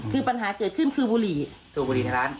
คือปัญหาเกิดขึ้นคือบุหรี่สูบบุหรี่ในร้าน